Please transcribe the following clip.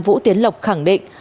vũ tiến lộc khẳng định